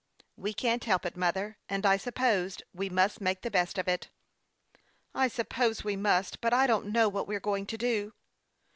" We can't help it, mother, and I suppose we must make the best of it." " I suppose we must ; but I don't know what we are going to do."